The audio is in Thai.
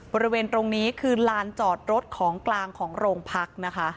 บริเวณตรงนี้คือลานจอดรถของกลางของโรงพักนะคะ